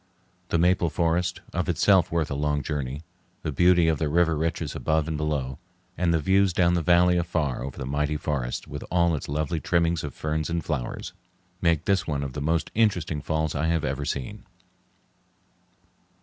The maple forest, of itself worth a long journey, the beauty of the river reaches above and below, and the views down the valley afar over the mighty forests, with all its lovely trimmings of ferns and flowers, make this one of the most interesting falls I have ever seen.